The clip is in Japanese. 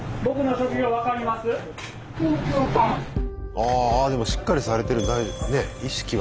あでもしっかりされてるね意識は。